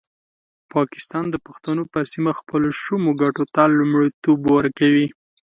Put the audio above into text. پاکستان د پښتنو پر سیمه خپلو شومو ګټو ته لومړیتوب ورکوي.